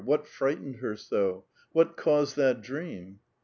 what frightened her so? what caused that dream